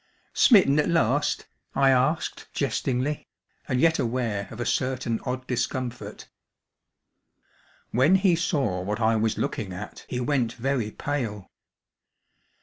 "Smitten at last?" I asked jestingly, and yet aware of a certain odd discomfort. When, he saw what I was looking at he went very pale.